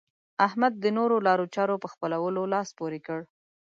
احمد د نورو لارو چارو په خپلولو لاس پورې کړ.